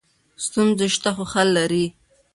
ستونزې شته خو حل لري.